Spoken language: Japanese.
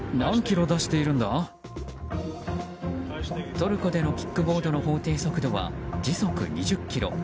トルコでのキックボードの法定速度は時速２０キロ。